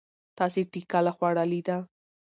تاسې ټکله خوړلې ده؟